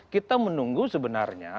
kita menunggu sebenarnya